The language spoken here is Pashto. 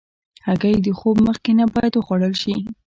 هګۍ د خوب مخکې نه باید وخوړل شي.